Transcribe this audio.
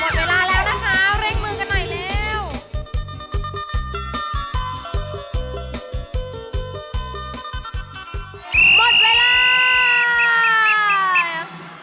เวลาแล้วนะคะเร่งมือกันหน่อยเร็ว